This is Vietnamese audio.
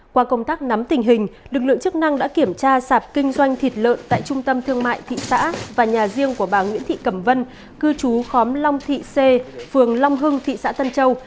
qua công tác nắm tình hình lực lượng chức năng đã kiểm tra sạp kinh doanh thịt lợn tại trung tâm thương mại thị xã và nhà riêng của bà nguyễn thị cẩm vân cư chú khóm long thị c phường long hưng thị xã tân châu